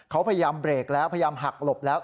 เขาพยายามเบรกแล้วพยายามหักหลบแล้ว